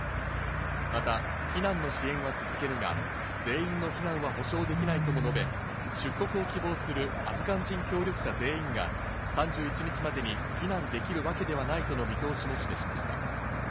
また避難の支援は続けるが、全員の避難は保証できないとも述べ、出国を希望するアフガン人協力者全員が３１日までに避難できるわけではないとの見通しも示しました。